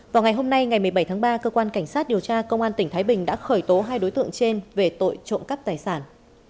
vào ngày hôm nay ngày một mươi bảy tháng ba cơ quan cảnh sát điều tra công an tỉnh thái bình đã khởi tố hai đối tượng trên về tội trộm cắp tài sản